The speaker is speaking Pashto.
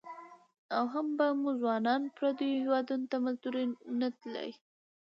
او هم به مو ځوانان پرديو هيوادنو ته په مزدورۍ نه تلى.